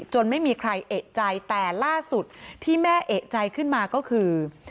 ไม่มีใครเอกใจแต่ล่าสุดที่แม่เอกใจขึ้นมาก็คือ